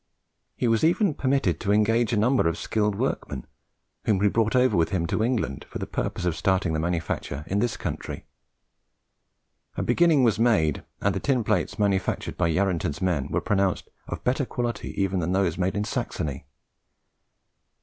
He was even permitted to engage a number of skilled workmen, whom he brought over with him to England for the purpose of starting the manufacture in this country. A beginning was made, and the tin plates manufactured by Yarranton's men were pronounced of better quality even than those made in Saxony.